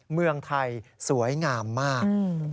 เมืองไทยสวยงามมาก